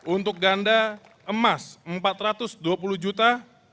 untuk ganda emas empat ratus dua puluh juta